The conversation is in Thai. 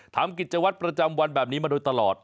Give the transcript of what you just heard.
ทำกิจวัตรประจำวันแบบนี้มาโดยตลอด